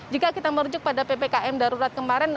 jika kita merujuk pada ppkm darurat kemarin